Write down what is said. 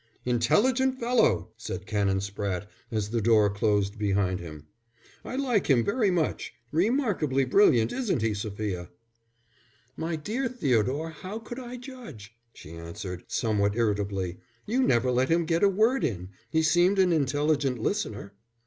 "Intelligent fellow!" said Canon Spratte, as the door closed behind him. "I like him very much. Remarkably brilliant, isn't he, Sophia?" "My dear Theodore, how could I judge?" she answered, somewhat irritably. "You never let him get a word in. He seemed an intelligent listener."